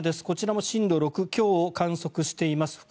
こちらも震度６強を観測しています